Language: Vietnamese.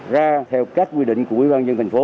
ra theo các quy định của ủy ban dân thành phố